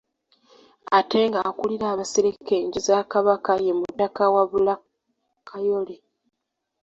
Ate ng'akulira abasereka enju za Kabaka ye mutaka Wabulaakayole.